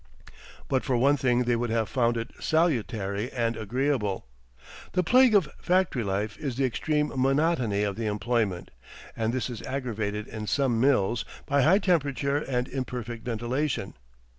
But for one thing they would have found it salutary and agreeable. The plague of factory life is the extreme monotony of the employment, and this is aggravated in some mills by high temperature and imperfect ventilation.